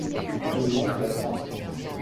ils montent la tente